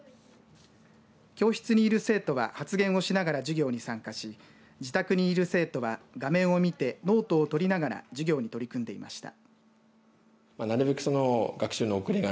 教室にいる生徒が発言をしながら授業に参加し自宅にいる生徒は、画面を見てノートを取りながら授業に取り組んでいました。